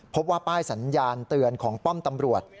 พบว่าป้ายสัญญาณเตือนของป้อมตำรวจ